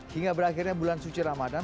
hingga berakhirnya bulan suci ramadan